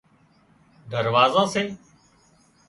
دروازا سي